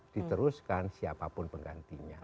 diteruskan siapapun penggantinya